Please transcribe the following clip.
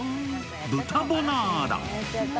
豚ボナーラ。